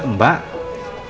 ini yang disuruh apa